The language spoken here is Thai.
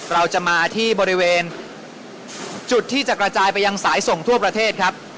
เราจะมาที่บริเวณจุดที่จะกระจายไปยังสายส่งทั่วประเทศครับ